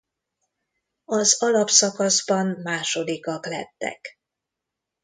Az alapszakaszban másodikak lettek.